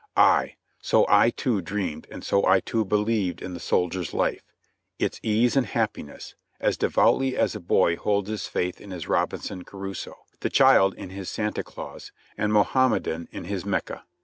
Ay ! so I too dreamed and so I too beUeved in the soldier's life, its ease and happiness, as devoutly as a boy holds his faith in his Robinson Crusoe, the child in his Santa Claus, and Mohammedan in his Mecca.